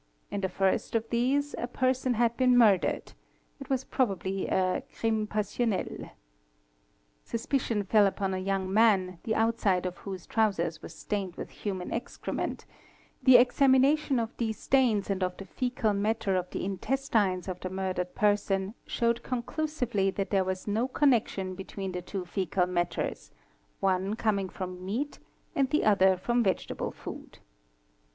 In the first of these a person had been murdered—it was probably a crime passionnel. Suspicion fell upon a young man the outside of whose trousers was stained with human excrement; the examination of these stains and of the fcecal matter of the intestines of the murdered person showed conclusively that there was no connection between the two foecal matters, one coming from _ meat and the other from vegetable food.